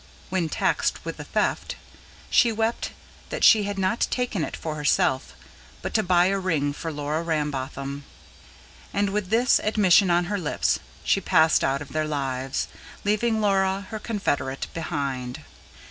When taxed with the theft, she wept that she had not taken it for herself, but to buy a ring for Laura Rambotham; and, with this admission on her lips, she passed out of their lives, leaving Laura, her confederate, behind.